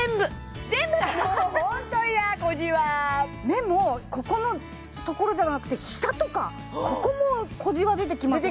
目もここのところじゃなくて下とかここも小じわ出てきませんか？